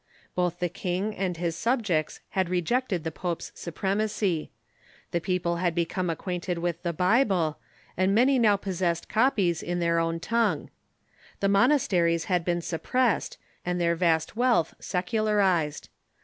Both the king and his subjects had rejected the pope's supremacy. The people had become acquainted with the Bible, and many now pos sessed copies in their own tongue. The monasteries had been suppressed, and their vast wealth secularized.